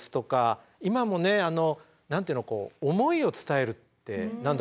今もね何て言うの思いを伝えるって何度かね言われてて。